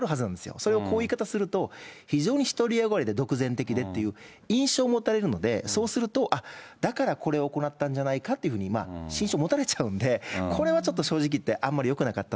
それをこういう言い方すると、非常に独り善がりで、独善的でという印象を持たれるので、そうすると、あっ、だからこれを行ったんじゃないかというふうに、心証持たれちゃうんで、これはちょっと正直言って、あんまりよくなかった。